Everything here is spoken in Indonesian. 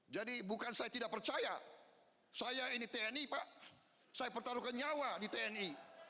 jadi bukan saya tidak percaya saya ini tni pak saya bertaruh ke nyawa di tni